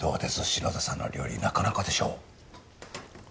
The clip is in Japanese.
篠田さんの料理なかなかでしょ。